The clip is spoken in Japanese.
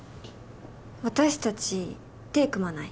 私達手組まない？